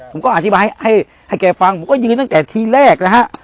ผมก็อธิบายให้แกฟังผมก็ยืนตั้งแต่ทีแรกนะฮะ